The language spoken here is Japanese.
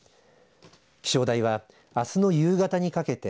気象台はあすの夕方にかけて